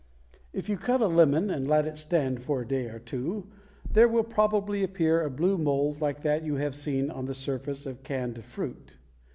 If you cut a lemon and let it stand for a day or two, there will probably appear a blue mold like that you have seen on the surface of canned fruit.